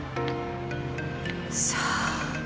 さあ？